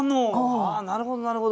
ああなるほどなるほど。